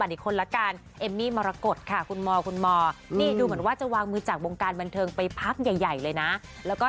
ติดตามตลอดขอบคุณมากเลยนะคะ